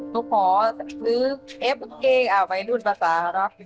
ลูกของซื้อเอ๊ะมะเกงอ่ะไว้ดูดประสาทนะ